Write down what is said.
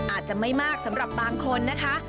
อาจจะไม่มากสำหรับบางคนนะคะ